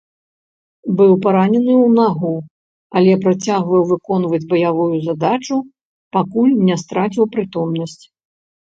Быў паранены ў нагу, але працягваў выконваць баявую задачу, пакуль не страціў прытомнасць.